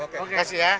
terima kasih ya